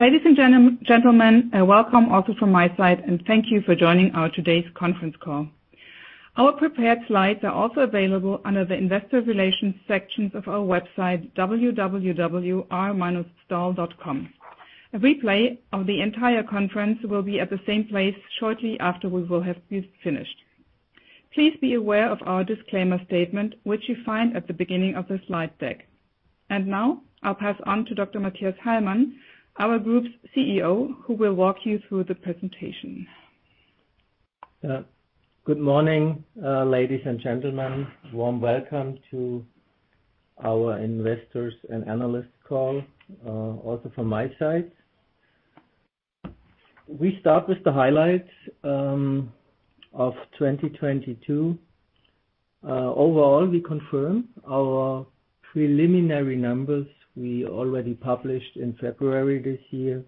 Ladies and gentlemen, welcome also from my side, and thank you for joining our today's conference call. Our prepared slides are also available under the investor relations sections of our website, www.r-stahl.com. A replay of the entire conference will be at the same place shortly after we've finished. Please be aware of our disclaimer statement, which you find at the beginning of the slide deck. Now, I'll pass on to Dr. Mathias Hallmann, our group's CEO, who will walk you through the presentation. Good morning, ladies and gentlemen. Warm welcome to our investors and analyst call, also from my side. We start with the highlights of 2022. Overall, we confirm our preliminary numbers we already published in February this year.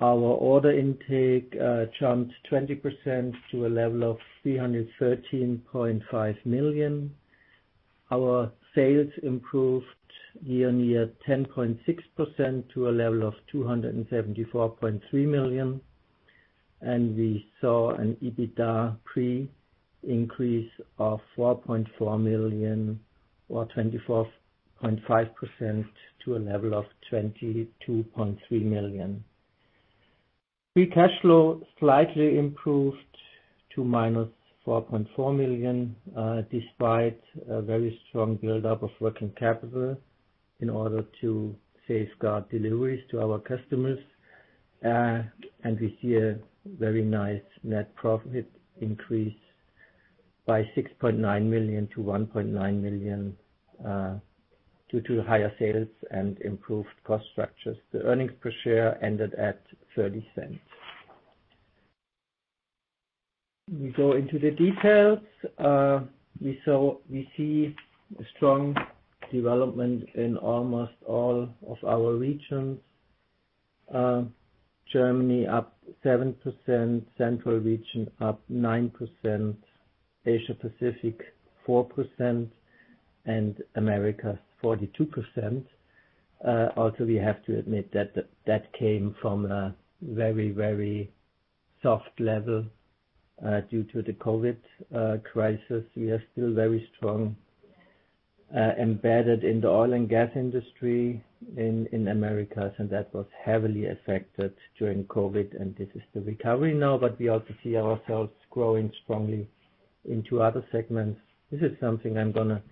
Our order intake jumped 20% to a level of 313.5 million. Our sales improved year-on-year 10.6% to a level of 274.3 million. We saw an EBITDA pre increase of 4.4 million or 24.5% to a level of 22.3 million. Free cash flow slightly improved to -4.4 million despite a very strong build-up of working capital in order to safeguard deliveries to our customers. We see a very nice net profit increase by 6.9 million to 1.9 million due to higher sales and improved cost structures. The earnings per share ended at 0.30. We go into the details. We see a strong development in almost all of our regions. Germany up 7%, Central Region up 9%, Asia Pacific, 4%, and America, 42%. Also, we have to admit that came from a very, very soft level due to the COVID crisis. We are still very strong embedded in the oil and gas industry in Americas. That was heavily affected during COVID. This is the recovery now. We also see ourselves growing strongly into other segments. This is something I'm gonna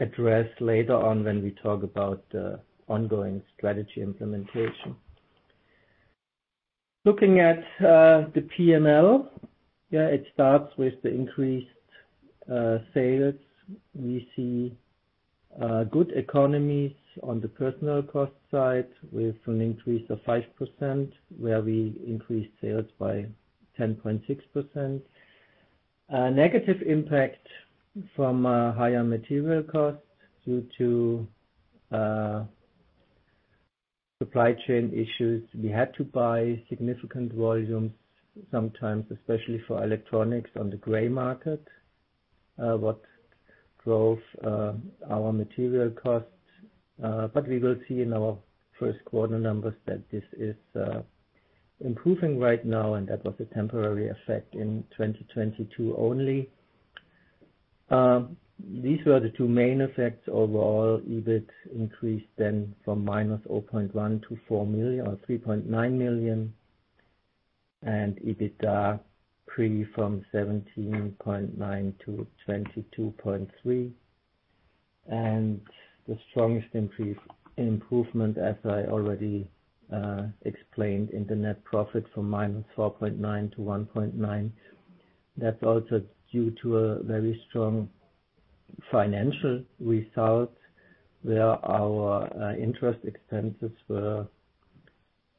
address later on when we talk about ongoing strategy implementation. Looking at the P&L, it starts with the increased sales. We see good economies on the personal cost side with an increase of 5%, where we increased sales by 10.6%. A negative impact from higher material costs due to supply chain issues. We had to buy significant volumes, sometimes, especially for electronics on the gray market, what drove our material costs. We will see in our first quarter numbers that this is improving right now, and that was a temporary effect in 2022 only. These were the two main effects. Overall, EBIT increased then from -0.1 to 4 million, or 3.9 million, and EBITDA pre from 17.9 to 22.3. The strongest improvement, as I already explained in the net profit from -4.9 million to 1.9 million. That's also due to a very strong financial result, where our interest expenses were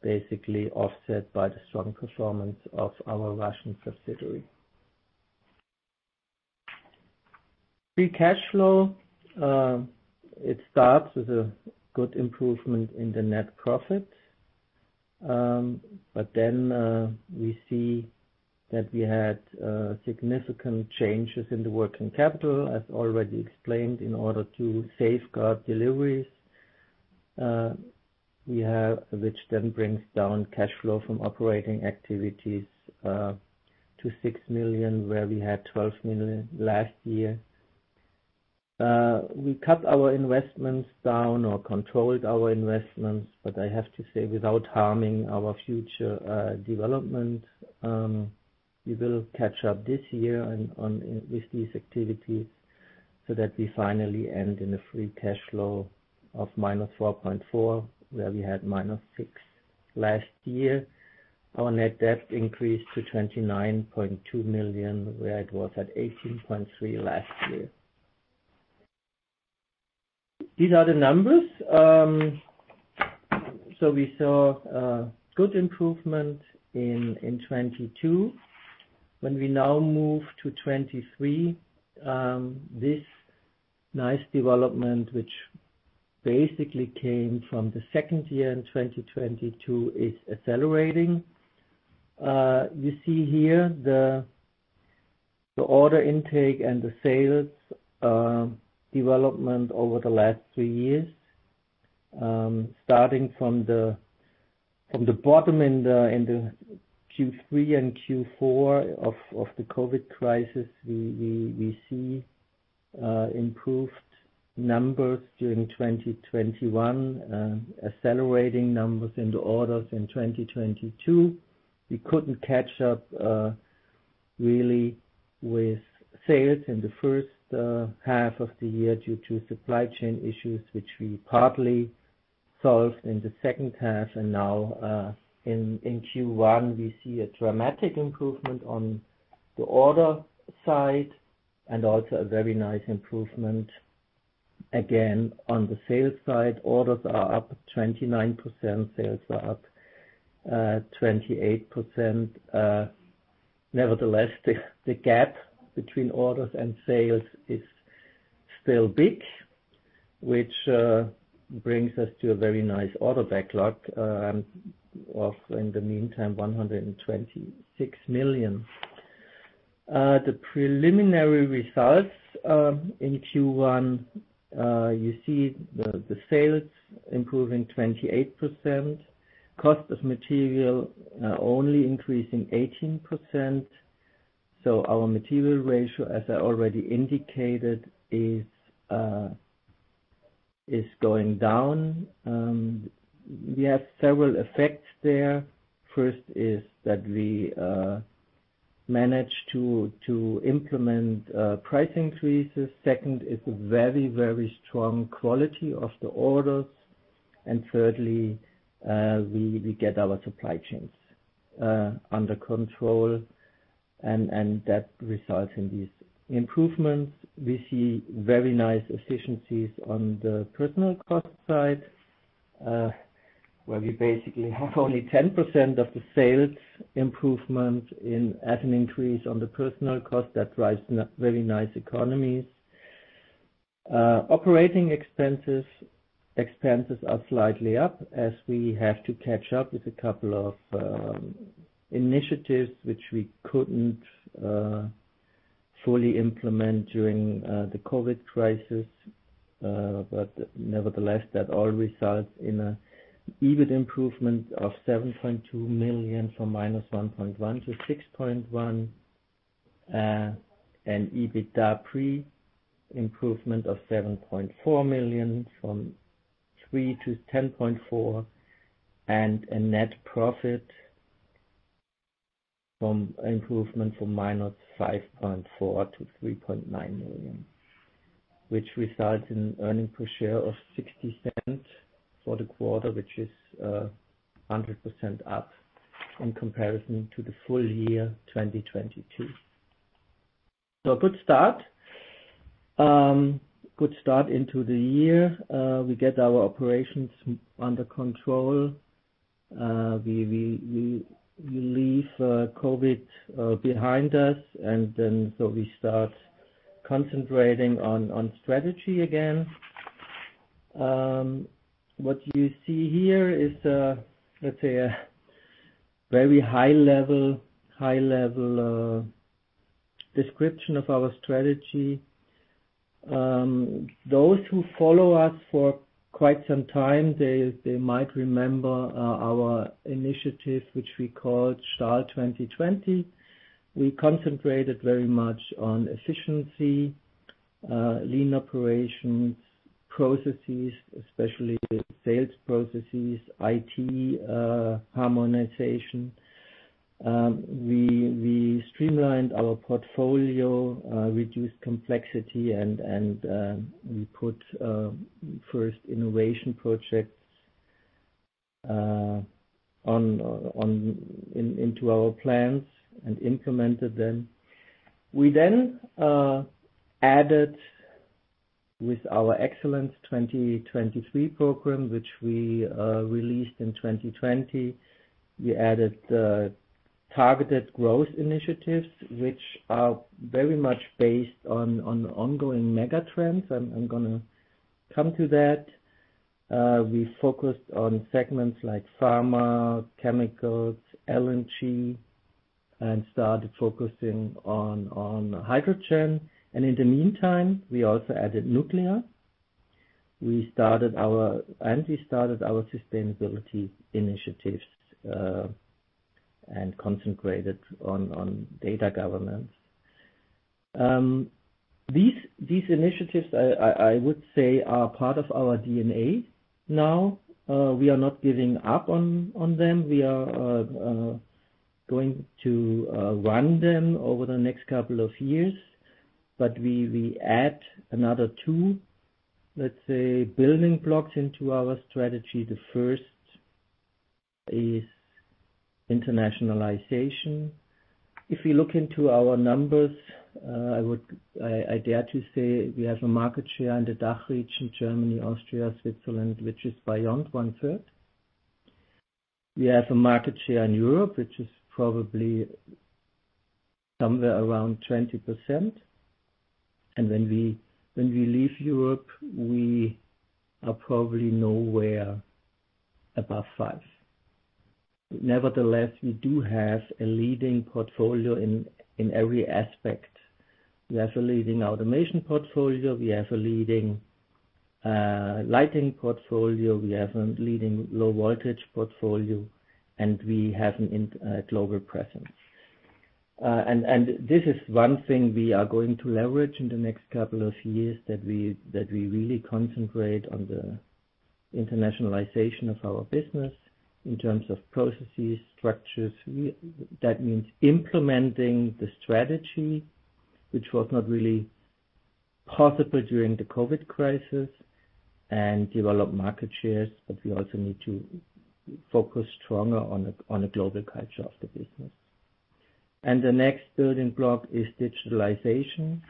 basically offset by the strong performance of our Russian subsidiary. Free cash flow, it starts with a good improvement in the net profit. We see that we had significant changes in the working capital, as already explained, in order to safeguard deliveries, we have, which brings down cash flow from operating activities to 6 million, where we had 12 million last year. We cut our investments down or controlled our investments, but I have to say, without harming our future development. We will catch up this year with these activities so that we finally end in a free cash flow of -4.4 million, where we had -6 million last year. Our net debt increased to 29.2 million, where it was at 18.3 million last year. These are the numbers. We saw a good improvement in 2022. When we now move to 2023, this nice development, which basically came from the second year in 2022, is accelerating. You see here the order intake and the sales development over the last three years, starting from the bottom in the Q3 and Q4 of the COVID crisis. We see improved numbers during 2021, accelerating numbers in the orders in 2022. We couldn't catch up, really with sales in the first half of the year due to supply chain issues, which we partly solved in the second half. Now, in Q1, we see a dramatic improvement on the order side and also a very nice improvement again on the sales side. Orders are up 29%, sales are up 28%. Nevertheless, the gap between orders and sales is still big, which brings us to a very nice order backlog of, in the meantime, 126 million. The preliminary results in Q1, you see the sales improving 28%. Cost of material only increasing 18%. Our material ratio, as I already indicated, is going down. We have several effects there. First is that we manage to implement price increases. Second is a very strong quality of the orders. Thirdly, we get our supply chains under control, and that results in these improvements. We see very nice efficiencies on the personal cost side, where we basically have only 10% of the sales improvement as an increase on the personal cost that drives very nice economies. Operating expenses. Expenses are slightly up as we have to catch up with a couple of initiatives which we couldn't fully implement during the COVID crisis. Nevertheless, that all results in a EBIT improvement of 7.2 million from -1.1 million to 6.1 million. EBITDA pre-improvement of 7.4 million from 3 million to 10.4 million. A net profit from improvement from -5.4 million to 3.9 million, which results in earning per share of 0.60 for the quarter, which is 100% up in comparison to the full year 2022. A good start. Good start into the year. We get our operations under control. We leave COVID behind us. We start concentrating on strategy again. What you see here is, let's say a very high level description of our strategy. Those who follow us for quite some time, they might remember our initiative, which we call STAHL 2020. We concentrated very much on efficiency, lean operations, processes, especially with sales processes, IT, harmonization. We streamlined our portfolio, reduced complexity and, we put first innovation projects into our plans and implemented them. Added with our STAHL EXcellence 2023 program, which we released in 2020. We added targeted growth initiatives which are very much based on ongoing mega trends. I'm gonna come to that. We focused on segments like pharma, chemicals, LNG, and started focusing on hydrogen. In the meantime, we also added nuclear. We started our sustainability initiatives and concentrated on data governance. These initiatives, I would say are part of our DNA now. We are not giving up on them. We are going to run them over the next couple of years. We add another two, let's say, building blocks into our strategy. The first is internationalization. If we look into our numbers, I dare to say we have a market share in the DACH region, Germany, Austria, Switzerland, which is beyond 1/3. We have a market share in Europe, which is probably somewhere around 20%. When we leave Europe, we are probably nowhere above five. Nevertheless, we do have a leading portfolio in every aspect. We have a leading Automation portfolio, we have a leading lighting portfolio, we have a leading low voltage portfolio, and we have a global presence. This is one thing we are going to leverage in the next couple of years that we really concentrate on the internationalization of our business in terms of processes, structures. That means implementing the strategy, which was not really possible during the COVID crisis, and develop market shares, but we also need to focus stronger on a global culture of the business. The next building block is digitalization.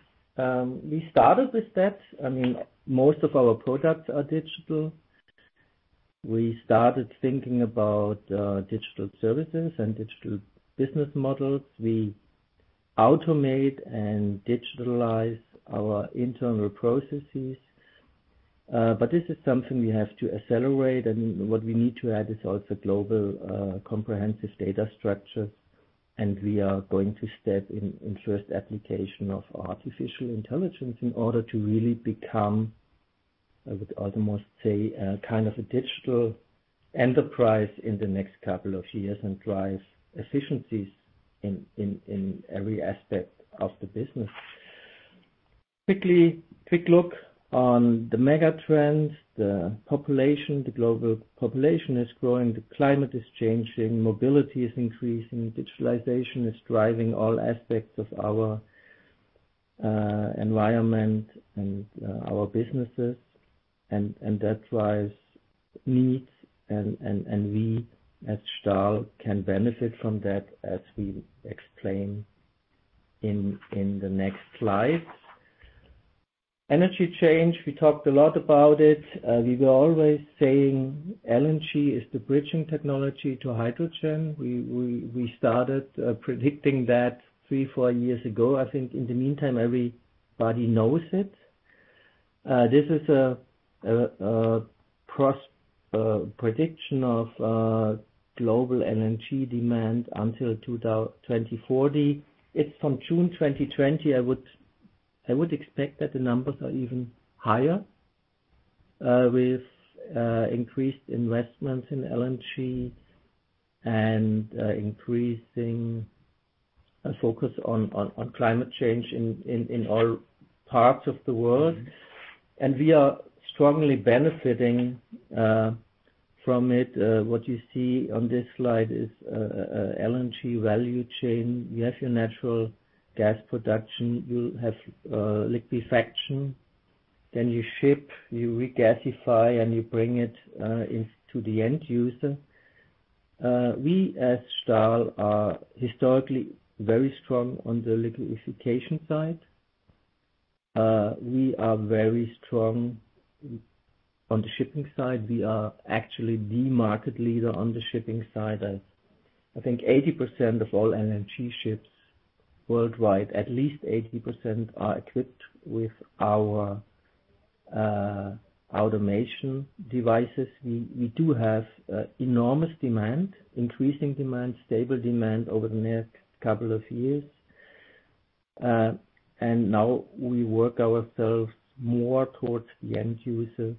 We started with that. I mean, most of our products are digital. We started thinking about digital services and digital business models. We automate and digitalize our internal processes. This is something we have to accelerate. What we need to add is also global, comprehensive data structures. We are going to step in first application of artificial intelligence in order to really become, I would almost say, a kind of a digital enterprise in the next couple of years and drive efficiencies in every aspect of the business. Quick look on the mega trends. The population, the global population is growing, the climate is changing, mobility is increasing, digitalization is driving all aspects of our environment and our businesses. That drives needs and we as STAHL can benefit from that, as we explain in the next slide. Energy change, we talked a lot about it. We were always saying LNG is the bridging technology to hydrogen. We started predicting that three, four years ago. I think in the meantime, everybody knows it. This is a prediction of global LNG demand until 2040. It's from June 2020. I would expect that the numbers are even higher with increased investment in LNG and increasing focus on climate change in all parts of the world. We are strongly benefiting from it. What you see on this slide is a LNG value chain. You have your natural gas production. You have liquefaction. You ship, you regasify, and you bring it into the end user. We as STAHL are historically very strong on the liquefaction side. We are very strong on the shipping side. We are actually the market leader on the shipping side. I think 80% of all LNG ships worldwide, at least 80% are equipped with our automation devices. We do have enormous demand, increasing demand, stable demand over the next couple of years. Now we work ourselves more towards the end user.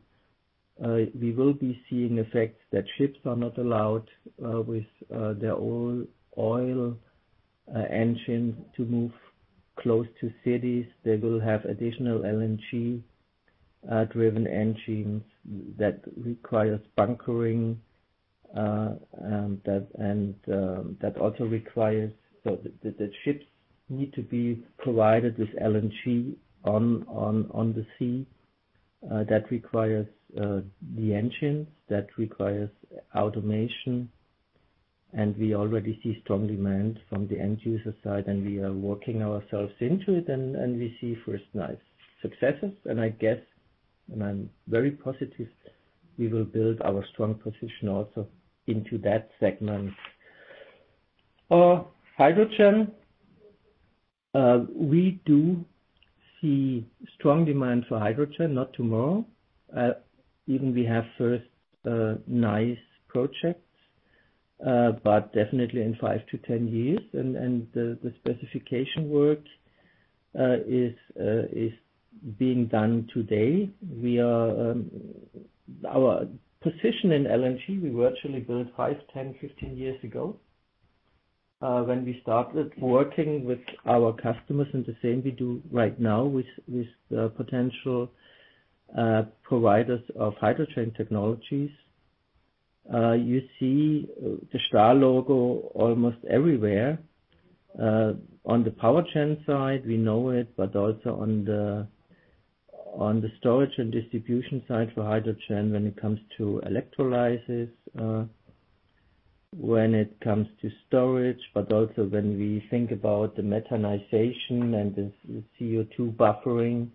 We will be seeing effects that ships are not allowed with their oil engine to move close to cities. They will have additional LNG driven engines that requires bunkering, that also requires. The ships need to be provided with LNG on the sea. That requires the engines, that requires automation. We already see strong demand from the end user side, and we are working ourselves into it. We see first nice successes. I guess, I'm very positive, we will build our strong position also into that segment. Hydrogen. We do see strong demand for hydrogen, not tomorrow. Even we have first nice projects, but definitely in five to 10 years. The specification work is being done today. We are—our position in LNG, we virtually built five, 10, 15 years ago, when we started working with our customers. The same we do right now with potential providers of hydrogen technologies. You see the STAHL logo almost everywhere. On the power chain side, we know it, but also on the storage and distribution side for hydrogen when it comes to electrolysis, when it comes to storage, but also when we think about the methanization and the CO2 buffering,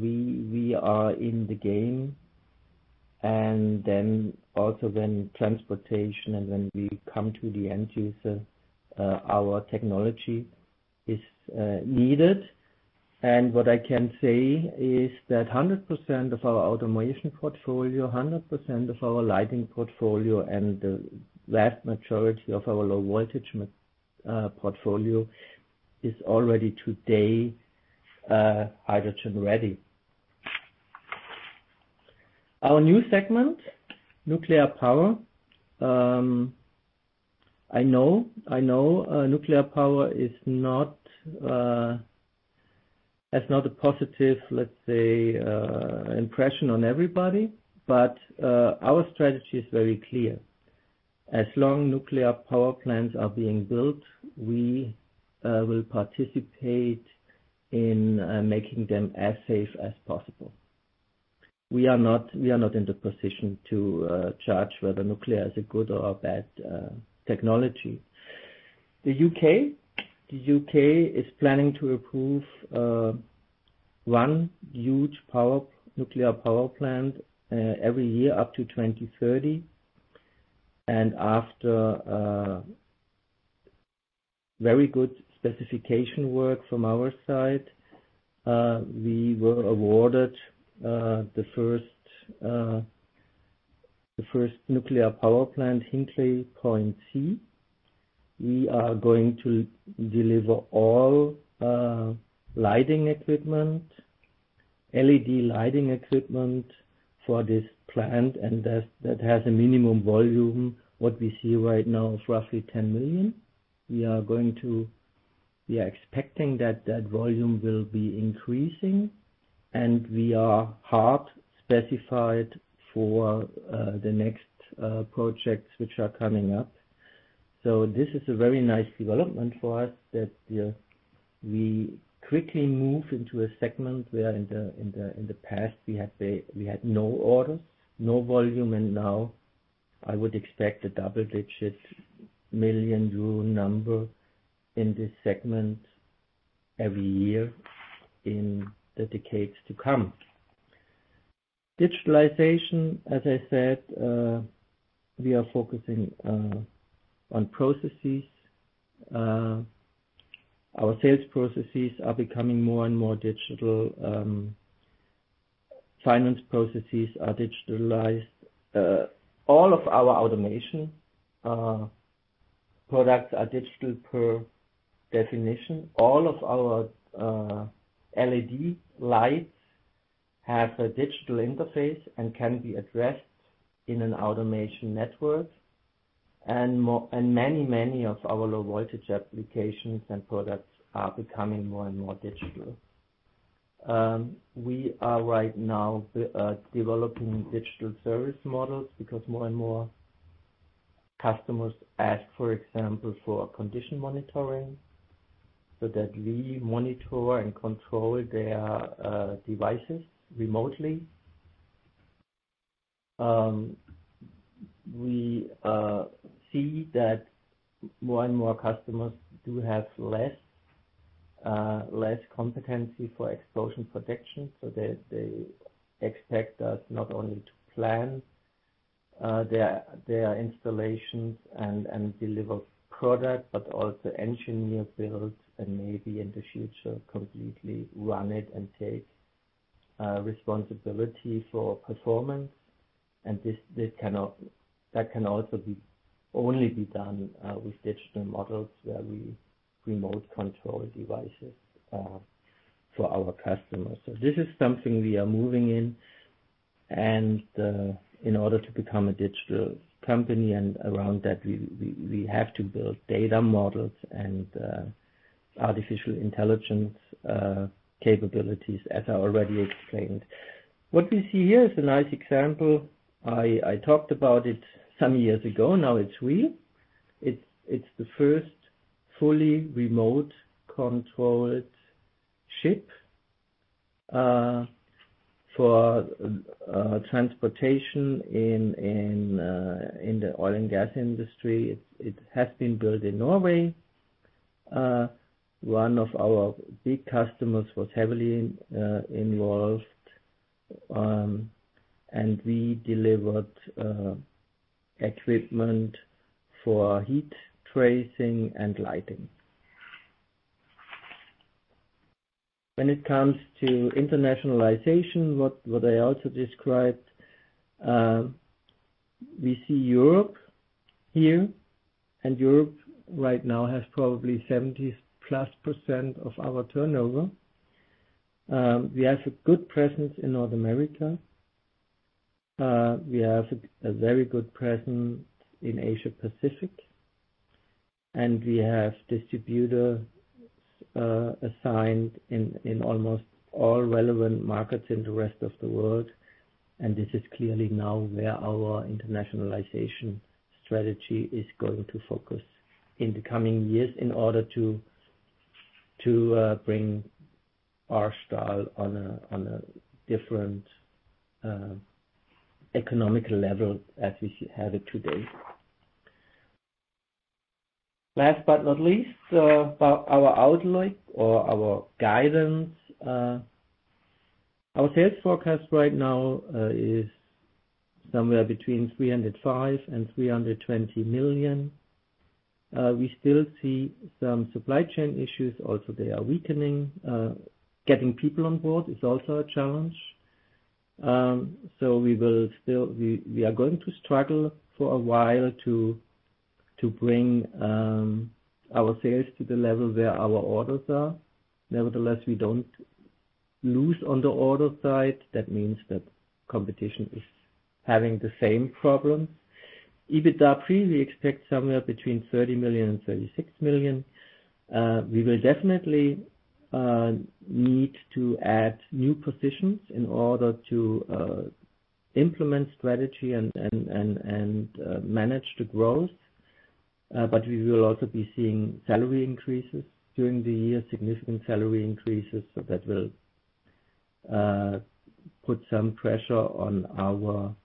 we are in the game. Then also when transportation and when we come to the end user, our technology is needed. What I can say is that 100% of our automation portfolio, 100% of our lighting portfolio, and the vast majority of our low voltage portfolio is already today, hydrogen ready. Our new segment, nuclear power. I know, I know, nuclear power has not a positive, let's say, impression on everybody, but our strategy is very clear. As long nuclear power plants are being built, we will participate in making them as safe as possible. We are not in the position to judge whether nuclear is a good or a bad technology. The U.K. The U.K. is planning to approve one huge nuclear power plant every year up to 2030. After very good specification work from our side, we were awarded the first nuclear power plant, Hinkley Point C. We are going to deliver all lighting equipment, LED lighting equipment for this plant. That has a minimum volume, what we see right now, of roughly 10 million. We are expecting that volume will be increasing. We are hard specified for the next projects which are coming up. This is a very nice development for us that we quickly move into a segment where in the past we had no orders, no volume, and now I would expect a double-digit million euro number in this segment every year in the decades to come. Digitalization, as I said, we are focusing on processes. Our sales processes are becoming more and more digital. Finance processes are digitalized. All of our automation products are digital per definition. All of our LED lights have a digital interface and can be addressed in an automation network. Many of our low voltage applications and products are becoming more and more digital. We are right now developing digital service models because more and more customers ask, for example, for condition monitoring, so that we monitor and control their devices remotely. We see that more and more customers do have less competency for explosion protection. They expect us not only to plan their installations and deliver product, but also engineer builds and maybe in the future, completely run it and take responsibility for performance. That can only be done with digital models where we remote control devices for our customers. This is something we are moving in and in order to become a digital company and around that we have to build data models and artificial intelligence capabilities as I already explained. What we see here is a nice example. I talked about it some years ago. Now it's real. It's the first fully remote controlled ship for transportation in the oil and gas industry. It has been built in Norway. One of our big customers was heavily involved and we delivered equipment for heat tracing and lighting. When it comes to internationalization, what I also described, we see Europe here, and Europe right now has probably 70%+ of our turnover. We have a good presence in North America. We have a very good presence in Asia Pacific, and we have distributors assigned in almost all relevant markets in the rest of the world. This is clearly now where our internationalization strategy is going to focus in the coming years in order to bring R. STAHL on a different economic level as we have it today. Last but not least, about our outlook or our guidance. Our sales forecast right now is somewhere between 305 million and 320 million. We still see some supply chain issues. Also, they are weakening. Getting people on board is also a challenge. We are going to struggle for a while to bring our sales to the level where our orders are. Nevertheless, we don't lose on the order side. That means that competition is having the same problems. EBITDA pre, we expect somewhere between 30 million and 36 million. We will definitely need to add new positions in order to implement strategy and manage the growth. We will also be seeing salary increases during the year, significant salary increases. That will put some pressure on our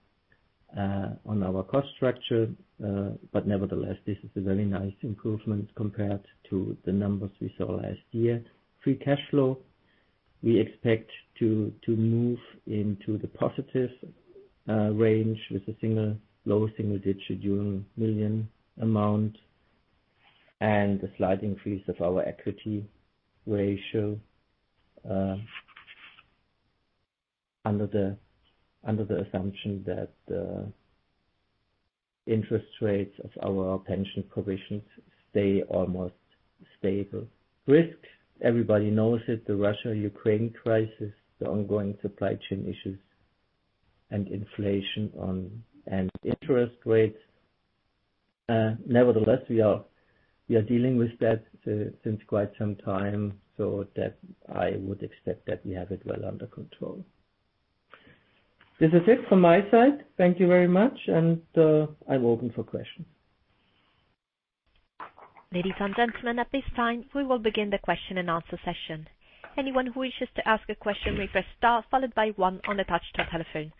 cost structure. Nevertheless, this is a very nice improvement compared to the numbers we saw last year. Free cash flow, we expect to move into the positive range with a low single digit million amount and a slight increase of our equity ratio under the assumption that interest rates of our pension provisions stay almost stable. Risk, everybody knows it, the Russia-Ukraine crisis, the ongoing supply chain issues and inflation and interest rates. Nevertheless, we are dealing with that since quite some time, so that I would expect that we have it well under control. This is it from my side. Thank you very much. I'm open for questions. Ladies and gentlemen, at this time, we will begin the question-and-answer session. Anyone who wishes to ask a question may press star followed by one on the touch-tone telephone.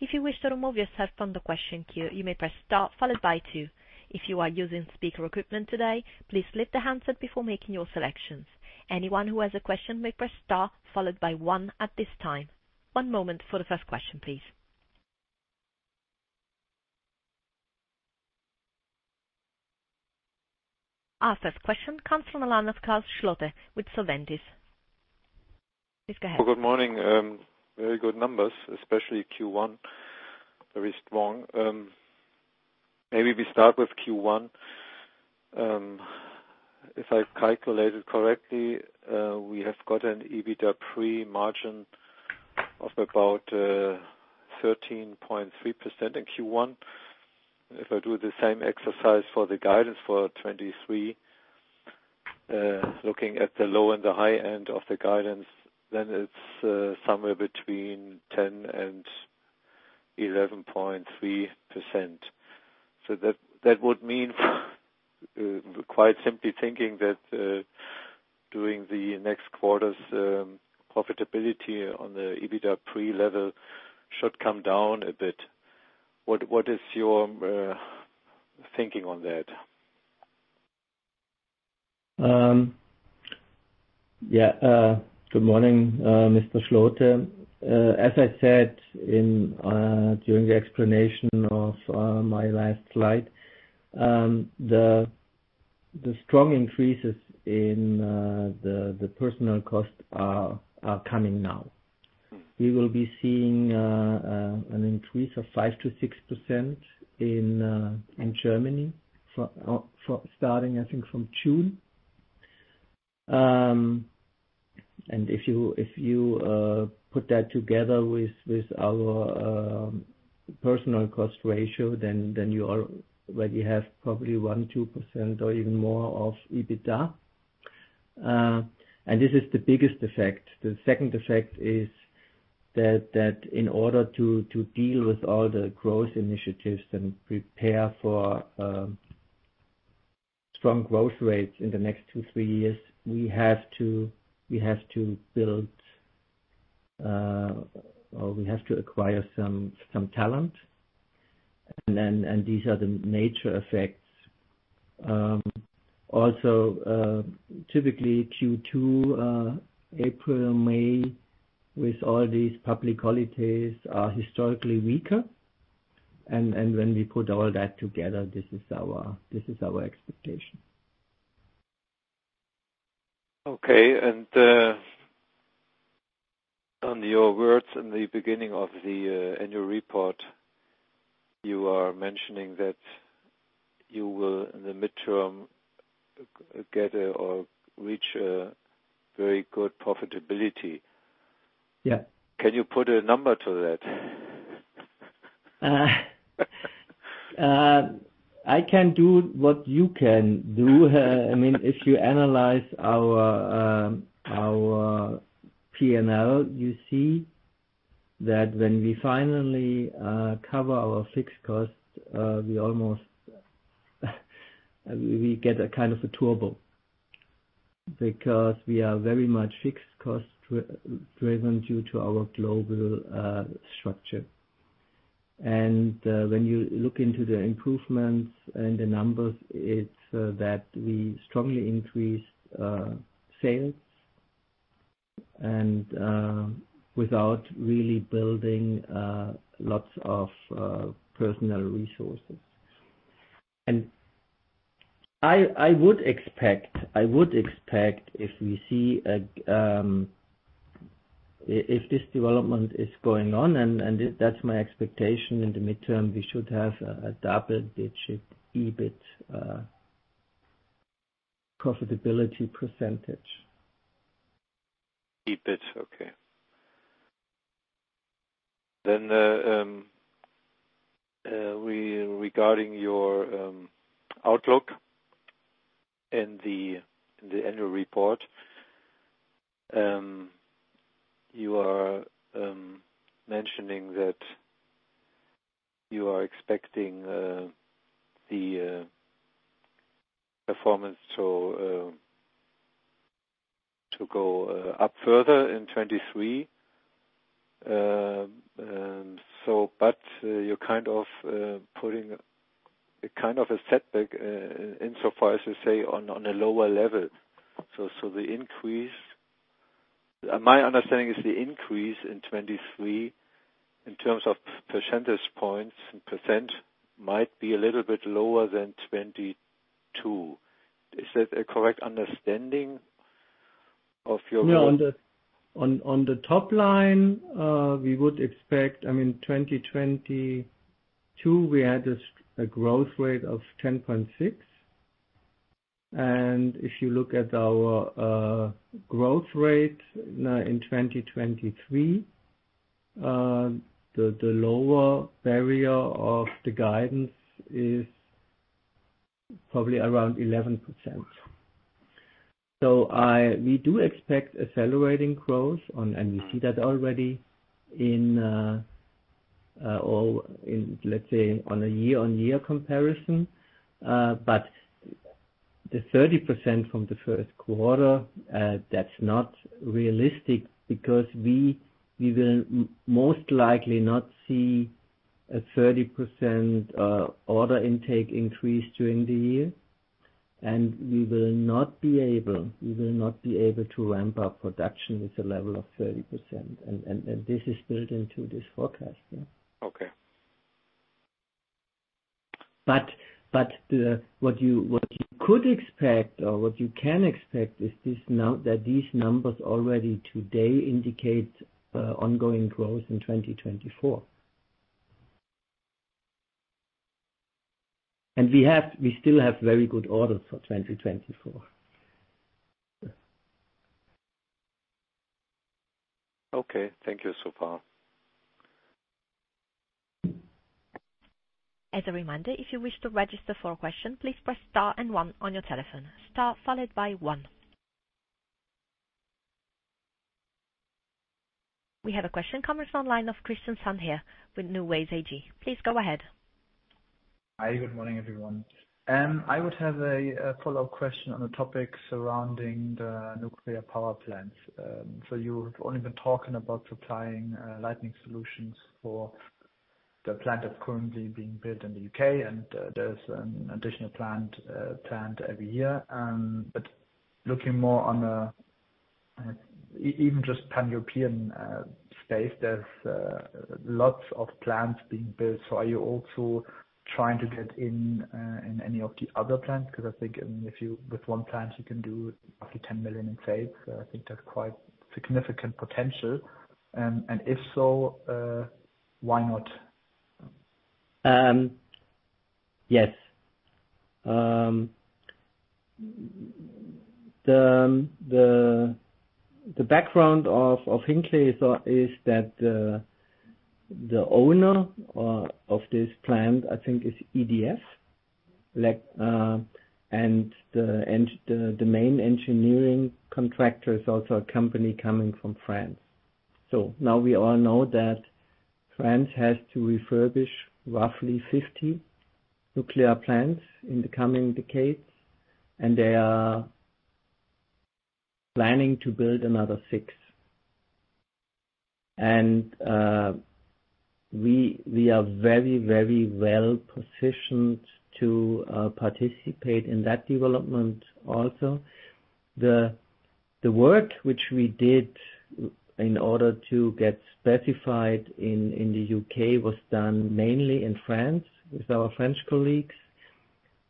If you wish to remove yourself from the question queue, you may press star followed by two. If you are using speaker equipment today, please lift the handset before making your selections. Anyone who has a question may press star followed by one at this time. One moment for the first question, please. Our first question comes from the line of Klaus Schlote with Solventis. Please go ahead. Good morning. Very good numbers, especially Q1. Very strong. Maybe we start with Q1. If I've calculated correctly, we have got an EBITDA pre-margin of about 13.3% in Q1. If I do the same exercise for the guidance for 2023, looking at the low and the high end of the guidance, then it's somewhere between 10% and 11.3%. That would mean quite simply thinking that during the next quarters, profitability on the EBITDA pre-level should come down a bit. What is your thinking on that? Good morning, Mr. Schlote. As I said during the explanation of my last slide, the strong increases in the personal costs are coming now. We will be seeing an increase of 5% to 6% in Germany starting, I think, from June. If you put that together with our personal cost ratio, then well, you have probably 1%, 2% or even more of EBITDA. This is the biggest effect. The second effect is that in order to deal with all the growth initiatives and prepare for strong growth rates in the next two, three years, we have to build or we have to acquire some talent. These are the nature effects. Also, typically Q2, April or May, with all these public holidays, are historically weaker. When we put all that together, this is our expectation. Okay. On your words in the beginning of the annual report, you are mentioning that you will, in the midterm, get a or reach a very good profitability. Yeah. Can you put a number to that? I can do what you can do. I mean, if you analyze our P&L, you see that when we finally cover our fixed costs, we get a kind of a turbo because we are very much fixed cost driven due to our global structure. When you look into the improvements and the numbers, it's that we strongly increase sales and without really building lots of personal resources. I would expect if we see this development is going on, and that's my expectation in the midterm, we should have a double-digit EBIT profitability percentage. EBIT, okay. Regarding your outlook in the annual report, you are mentioning that you are expecting the performance to go up further in 2023. You're kind of putting a kind of a setback in so far as you say on a lower level. My understanding is the increase in 2023 in terms of percentage points and percent might be a little bit lower than 2022. Is that a correct understanding of your— No. On the top line, we would expect I mean, 2022, we had a growth rate of 10.6%. If you look at our growth rate now in 2023, the lower barrier of the guidance is probably around 11%. We do expect accelerating growth and we see that already in or in, let's say, on a year-on-year comparison. The 30% from the first quarter, that's not realistic because we will most likely not see a 30% order intake increase during the year. We will not be able to ramp up production with a level of 30%. This is built into this forecast. Yeah. Okay. What you could expect or what you can expect is that these numbers already today indicate ongoing growth in 2024. We still have very good orders for 2024. Okay. Thank you so far. As a reminder, if you wish to register for a question, please press star and one on your telephone. Star followed by one. We have a question coming from the line of Christian Sandherr with NuWays AG. Please go ahead. Hi, good morning, everyone. I would have a follow-up question on the topic surrounding the nuclear power plants. You've only been talking about supplying lighting solutions for the plant that's currently being built in the U.K., and there's an additional plant every year. Looking more on a even just Pan-European space, there's lots of plants being built. Are you also trying to get in any of the other plants? Because I think, I mean, if with one plant, you can do up to 10 million in sales. I think that's quite significant potential. If so, why not? Yes. The background of Hinkley is that the owner of this plant, I think is EDF, and the main engineering contractor is also a company coming from France. Now we all know that France has to refurbish roughly 50 nuclear plants in the coming decades, and they are planning to build another six. We are very, very well-positioned to participate in that development also. The work which we did in order to get specified in the U.K. was done mainly in France with our French colleagues,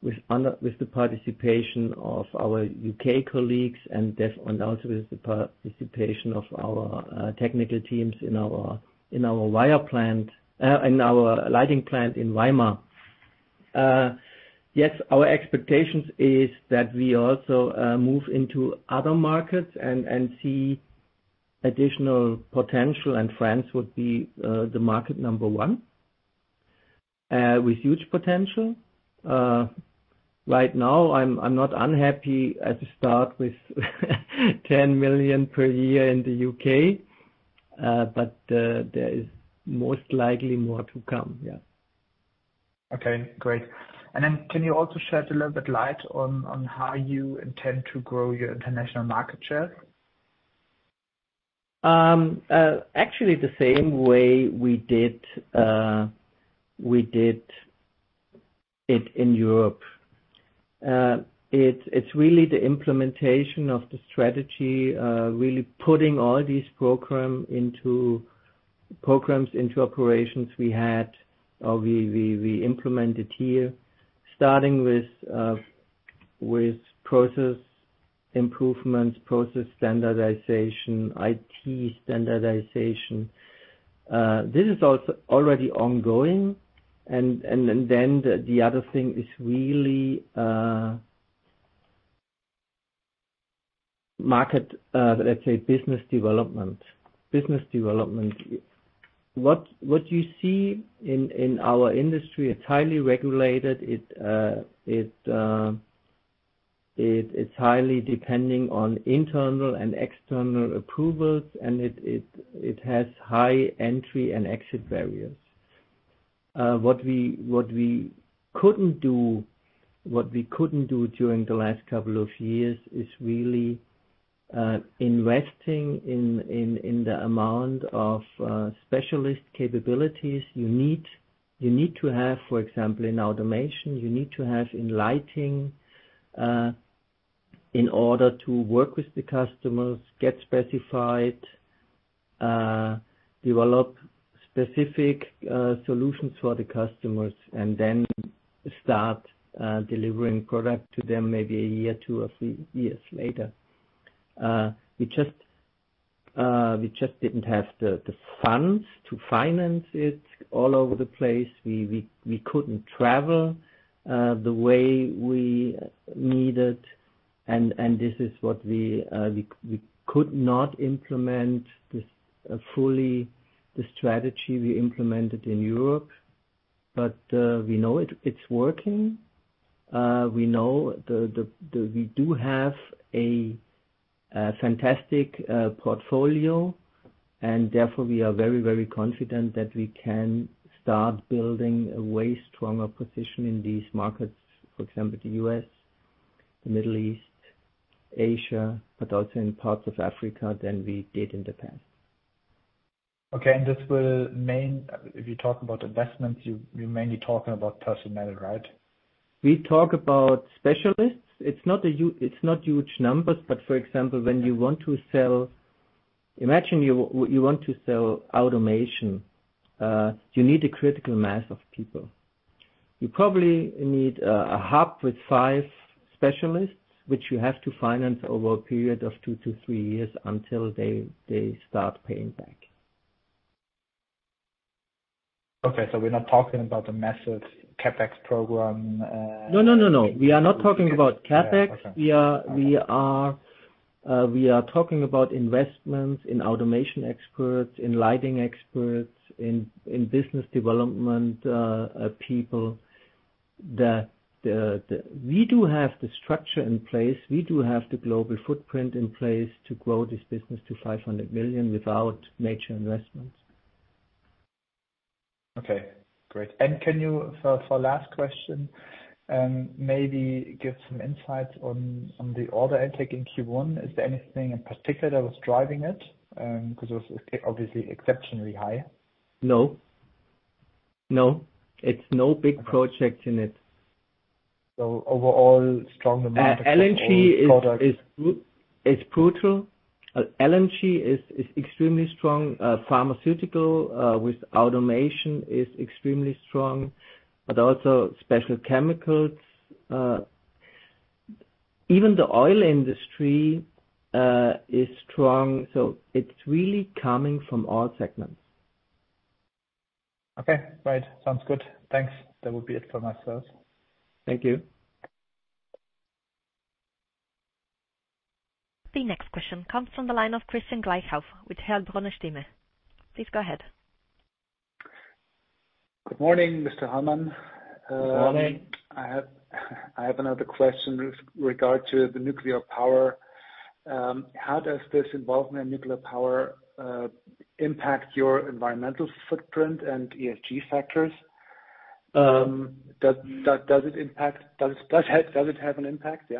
with the participation of our U.K. colleagues and also with the participation of our technical teams in our wire plant, in our lighting plant in Weimar. Yes, our expectations is that we also move into other markets and see additional potential. France would be the market number one with huge potential. Right now I'm not unhappy as a start with 10 million per year in the U.K., but there is most likely more to come. Yeah. Okay, great. Can you also shed a little bit light on how you intend to grow your international market share? Actually the same way we did it in Europe. It's really the implementation of the strategy, really putting all these programs into operations we had or we implemented here, starting with process improvements, process standardization, IT standardization. This is already ongoing. Then the other thing is really market, let's say business development. Business development. What you see in our industry, it's highly regulated. It's highly depending on internal and external approvals, it has high entry and exit barriers. What we couldn't do during the last couple of years is really investing in the amount of specialist capabilities you need. You need to have, for example, in automation, you need to have in lighting, in order to work with the customers, get specified, develop specific solutions for the customers, and then start delivering product to them maybe a year, two or three years later. We just didn't have the funds to finance it all over the place. We couldn't travel the way we needed. This is what we could not implement this fully the strategy we implemented in Europe. We know it's working. We do have a fantastic portfolio, and therefore we are very, very confident that we can start building a way stronger position in these markets, for example, the U.S., the Middle East, Asia, but also in parts of Africa than we did in the past. Okay. If you talk about investments, you're mainly talking about personnel, right? We talk about specialists. It's not huge numbers, For example, when you want to sell, imagine you want to sell automation, you need a critical mass of people. You probably need a hub with five specialists, which you have to finance over a period of two to three years until they start paying back. We're not talking about a massive CapEx program. No, no, no. We are not talking about CapEx. Yeah. Okay. We are talking about investments in automation experts, in lighting experts, in business development, people. We do have the structure in place. We do have the global footprint in place to grow this business to 500 million without major investments. Okay, great. Can you, for last question, maybe give some insights on the order intake in Q1. Is there anything in particular that was driving it? 'Cause it was obviously exceptionally high. No. No. It's no big project in it. So, overall stronger— LNG is crucial. LNG is extremely strong. Pharmaceutical, with automation is extremely strong, but also special chemicals. Even the oil industry, is strong. It's really coming from all segments. Okay. Right. Sounds good. Thanks. That would be it for myself. Thank you. The next question comes from the line of Christian Glowa with Hauck & Aufhaeuser. Please go ahead. Good morning, Mr. Hallmann. Good morning. I have another question with regard to the nuclear power. How does this involvement in nuclear power impact your environmental footprint and ESG factors? Does it have an impact?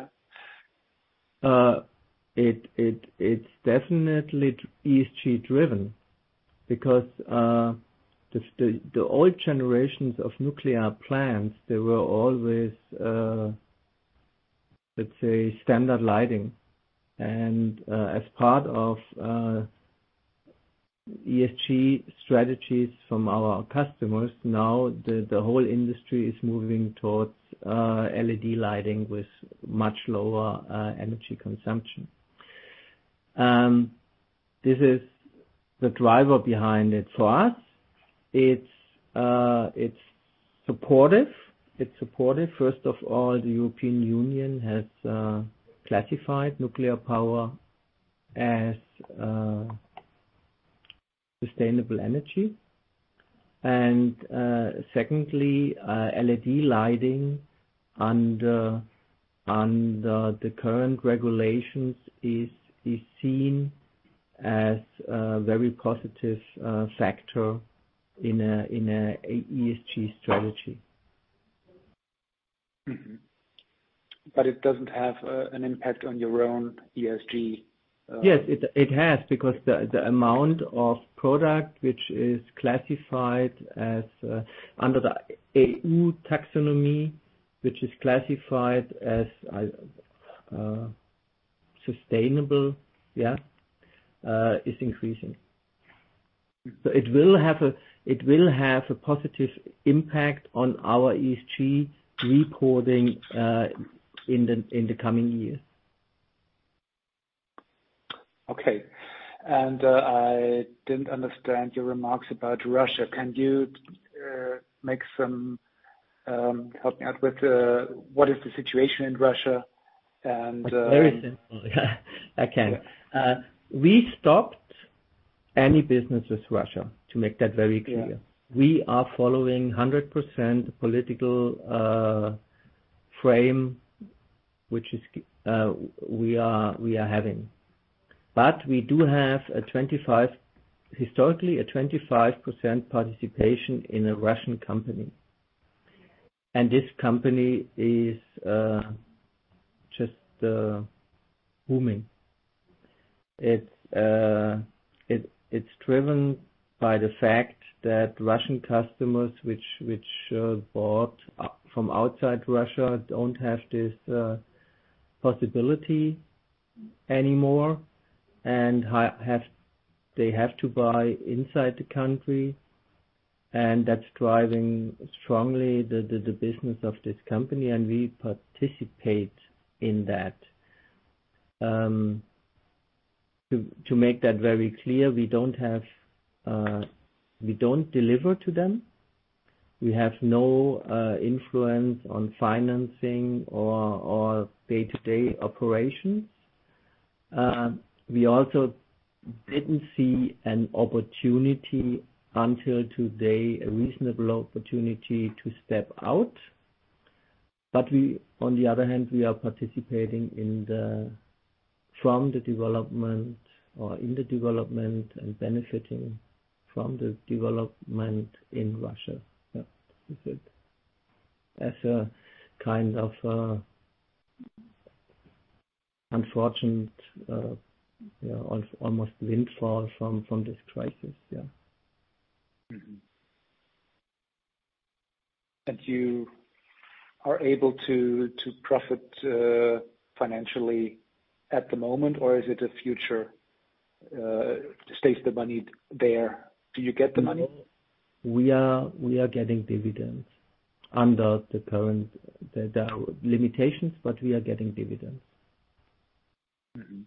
It's definitely ESG-driven because the old generations of nuclear plants, they were always let's say standard lighting. As part of ESG strategies from our customers, now the whole industry is moving towards LED lighting with much lower energy consumption. This is the driver behind it. For us, it's supportive. First of all, the European Union has classified nuclear power as sustainable energy. Secondly, LED lighting under the current regulations is seen as a very positive factor in a ESG strategy. Mm-hmm. It doesn't have an impact on your own ESG. Yes, it has because the amount of product which is classified as under the EU taxonomy, which is classified as sustainable, is increasing. It will have a positive impact on our ESG reporting in the coming years. Okay. I didn't understand your remarks about Russia. Can you help me out with what is the situation in Russia and? Very simple. I can. We stopped any business with Russia, to make that very clear. Yeah. We are following 100% political frame, which we are having. We do have a 25%, historically, a 25% participation in a Russian company. This company is just booming. It's driven by the fact that Russian customers which bought from outside Russia don't have this possibility anymore and they have to buy inside the country, and that's driving strongly the business of this company, and we participate in that. To make that very clear, we don't have, we don't deliver to them. We have no influence on financing or day-to-day operations. We also didn't see an opportunity until today, a reasonable opportunity to step out. We, on the other hand, we are participating from the development or in the development and benefiting from the development in Russia. Yeah. That's it. As a kind of unfortunate, you know, almost windfall from this crisis. Yeah. Mm-hmm. You are able to profit, financially at the moment, or is it a future, stays the money there? Do you get the money? We are getting dividends under the current. There are limitations, but we are getting dividends. Mm-hmm.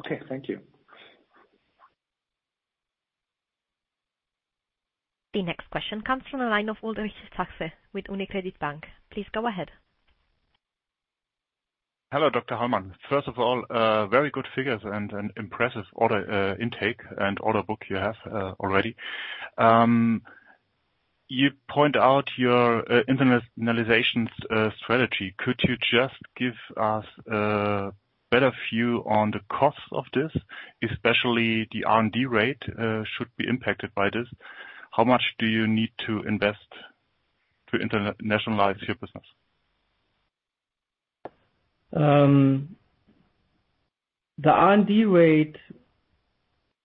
Okay. Thank you. The next question comes from the line of Ulrich Sachse with UniCredit Bank. Please go ahead. Hello, Dr. Hallmann. First of all, very good figures and an impressive order intake and order book you have already. You point out your internationalization strategy. Could you just give us a better view on the costs of this, especially the R&D rate should be impacted by this. How much do you need to invest to internationalize your business? The R&D rate,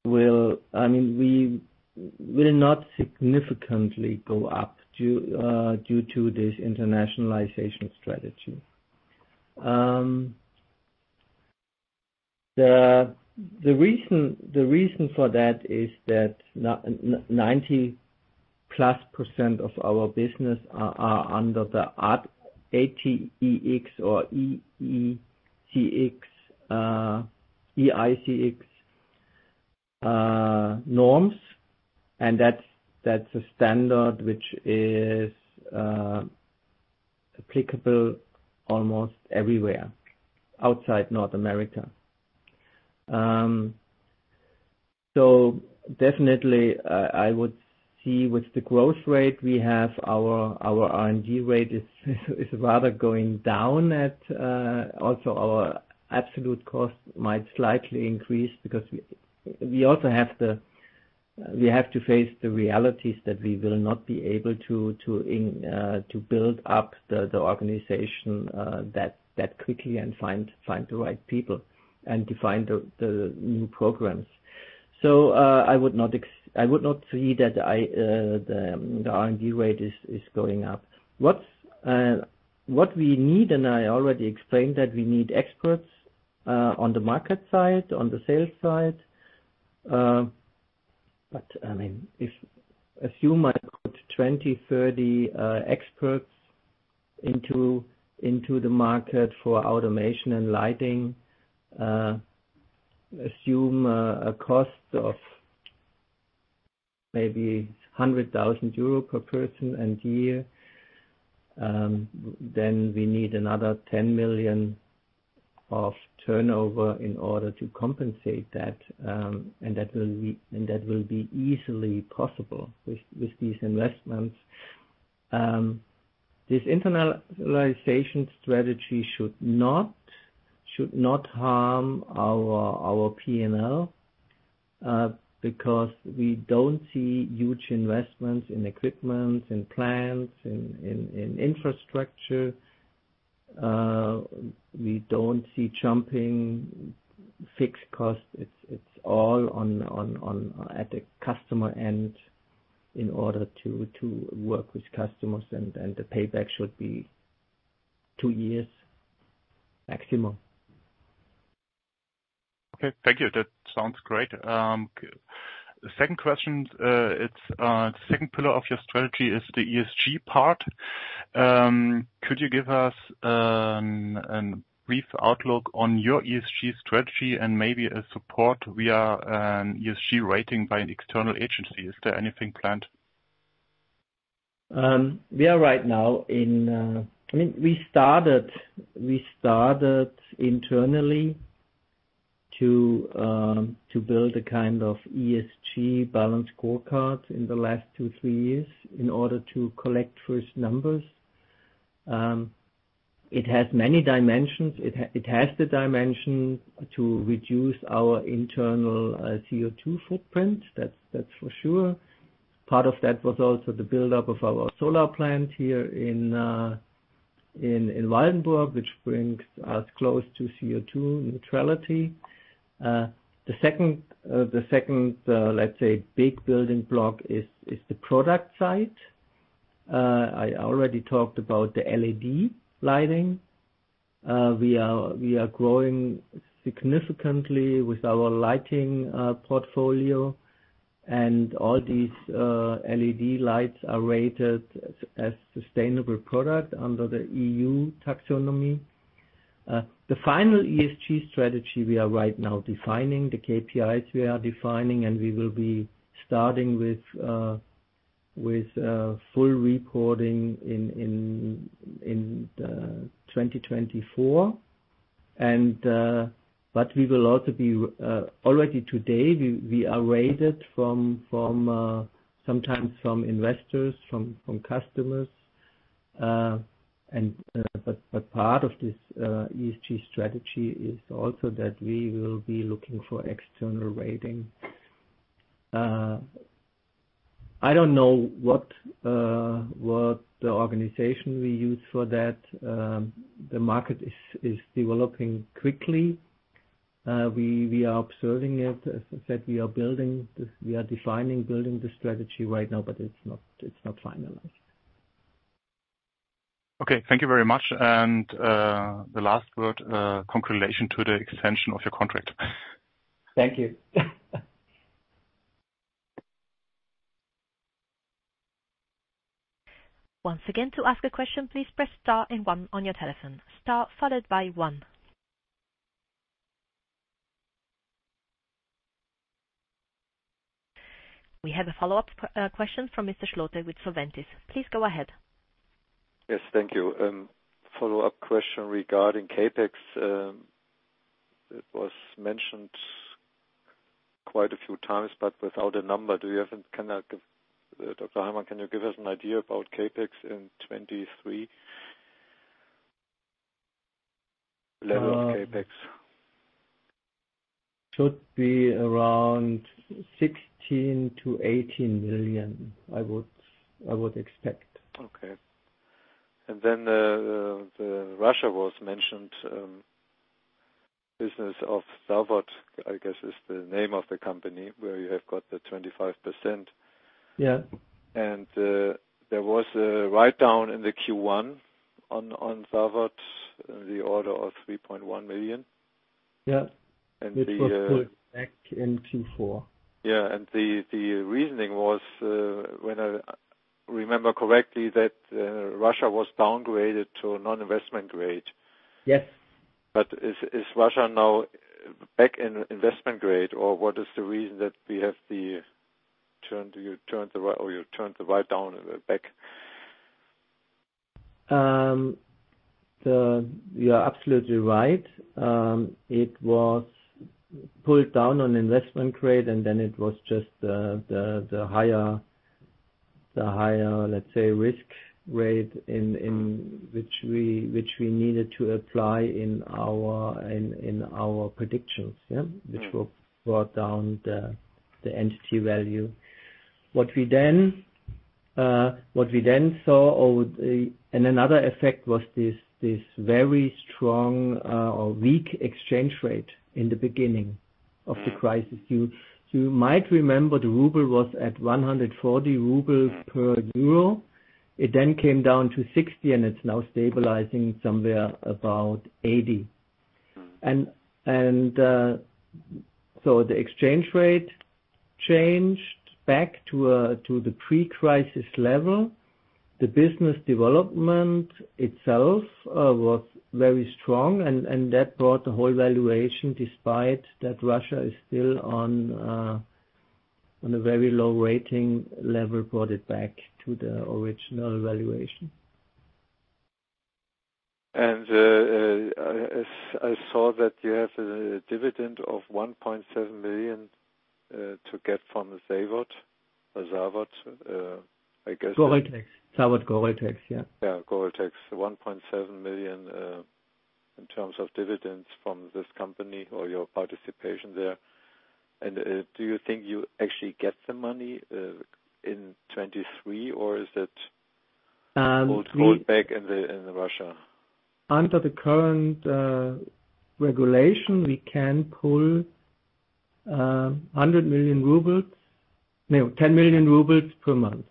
I mean, we will not significantly go up due to this internationalization strategy. The reason for that is that 90% + of our business are under the ATEX/IECEx norms, and that's a standard which is applicable almost everywhere outside North America. Definitely, I would see with the growth rate we have, our R&D rate is rather going down at, also our absolute cost might slightly increase because we also have to face the realities that we will not be able to build up the organization that quickly and find the right people and to find the new programs. I would not see that the R&D rate is going up. What we need, and I already explained that we need experts on the market side, on the sales side. I mean, if assume I put 20, 30 experts into the market for automation and lighting, assume a cost of maybe 100,000 euro per person and year, then we need another 10 million of turnover in order to compensate that, and that will be easily possible with these investments. This internationalization strategy should not harm our P&L, because we don't see huge investments in equipment, in plants, in infrastructure. We don't see jumping fixed costs. It's all on at the customer end in order to work with customers and the payback should be two years maximum. Okay. Thank you. That sounds great. The second question, it's second pillar of your strategy is the ESG part. Could you give us a brief outlook on your ESG strategy and maybe a support via an ESG rating by an external agency? Is there anything planned? I mean, we started internally to build a kind of ESG balanced scorecard in the last two, three years in order to collect first numbers. It has many dimensions. It has the dimension to reduce our internal CO2 footprint, that's for sure. Part of that was also the buildup of our solar plant here in Waldenburg, which brings us close to CO2 neutrality. The second, let's say, big building block is the product side. I already talked about the LED lighting. We are growing significantly with our lighting portfolio and all these LED lights are rated as sustainable product under the EU taxonomy. The final ESG strategy we are right now defining, the KPIs we are defining, and we will be starting with full reporting in 2024. Already today, we are rated sometimes from investors, from customers. Part of this ESG strategy is also that we will be looking for external rating. I don't know what the organization we use for that. The market is developing quickly. We are observing it. As I said, we are building this. We are defining, building the strategy right now, but it's not finalized. Okay. Thank you very much. The last word, congratulations to the extension of your contract. Thank you. Once again, to ask a question, please press star and one on your telephone. Star followed by one. We have a follow-up question from Mr. Schlote with Solventis. Please go ahead. Yes. Thank you. Follow-up question regarding CapEx. It was mentioned quite a few times, but without a number. Can Dr. Hallmann, can you give us an idea about CapEx in 2023? Level of CapEx. Should be around 16 million-18 million, I would expect. Okay. The Russia was mentioned, business of ZAVOD, I guess, is the name of the company where you have got the 25%. Yeah. There was a write down in the Q1 on ZAVOD in the order of 3.1 million. Yeah— The— —it was put back in Q4. Yeah. The reasoning was, when I remember correctly, that Russia was downgraded to a non-investment grade. Yes. Is Russia now back in investment grade, or what is the reason that we have the turn, you turned the write down back? You are absolutely right. It was pulled down on investment grade, and then it was just the higher, let's say, risk rate in which we needed to apply in our predictions. Mm-hmm. Which will brought down the entity value. Another effect was this very strong or weak exchange rate in the beginning of the crisis. You might remember the ruble was at 140 rubles per euro. It then came down to 60, and it's now stabilizing somewhere about 80. The exchange rate changed back to the pre-crisis level. The business development itself was very strong and that brought the whole valuation, despite that Russia is still on a very low rating level, brought it back to the original valuation. As I saw that you have a dividend of 1.7 million to get from ZAVOD or ZAVOD. ZAVOD GORELTEX, yeah. Yeah, GORELTEX. 1.7 million in terms of dividends from this company or your participation there. Do you think you actually get the money in 2023 or is it— Um, we— —hold back in Russia? Under the current regulation, we can pull 100 million rubles. No, 10 million rubles per month.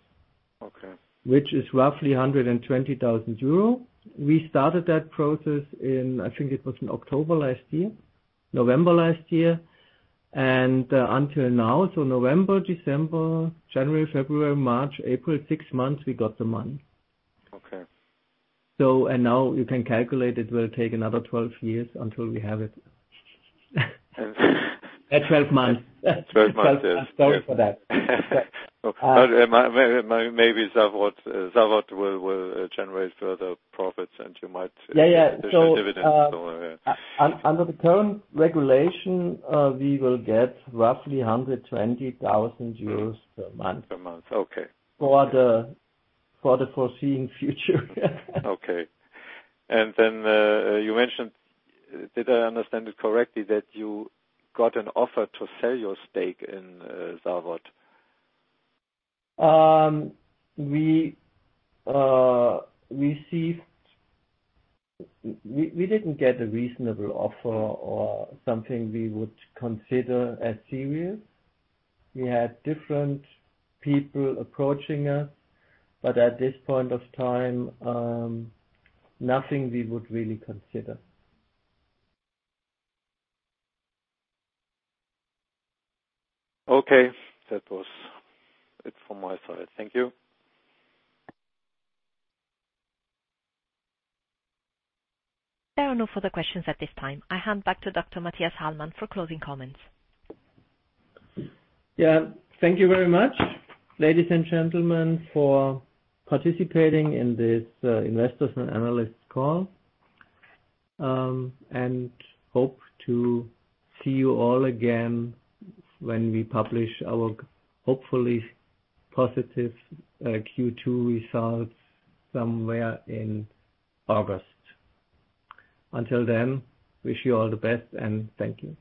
Okay. Which is roughly 120,000 euro. We started that process in, I think it was in October last year, November last year, until now. November, December, January, February, March, April, six months, we got the money. Okay. Now you can calculate, it will take another 12 years until we have it. 12 months. 12 months, yes. Sorry for that. Okay. Maybe ZAVOD will generate further profits, and you— Yeah, yeah. —additional dividends or, yeah. Under the current regulation, we will get roughly 120,000 euros per month. Per month, okay. For the foreseen future. Okay. you mentioned, did I understand it correctly that you got an offer to sell your stake in, ZAVOD? We didn't get a reasonable offer or something we would consider as serious. We had different people approaching us, but at this point of time, nothing we would really consider. Okay. That was it from my side. Thank you. There are no further questions at this time. I hand back to Dr. Mathias Hallmann for closing comments. Yeah. Thank you very much, ladies and gentlemen, for participating in this investors and analysts call. Hope to see you all again when we publish our hopefully positive Q2 results somewhere in August. Until then, wish you all the best, and thank you.